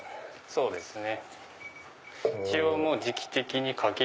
そうですね